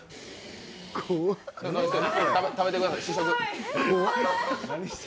食べてください、試食。